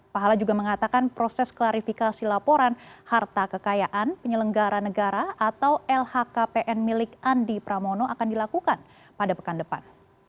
pahala juga mengatakan proses klarifikasi laporan harta kekayaan penyelenggara negara atau lhkpn milik andi pramono akan dilakukan pada pekan depan